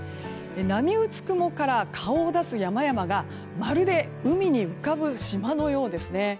波打つ雲から顔を出す山々がまるで海に浮かぶ島のようですね。